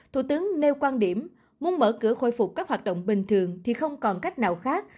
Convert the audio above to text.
thủ tướng nêu quan điểm muốn mở cửa khôi phục các hoạt động bình thường thì không còn cách nào khác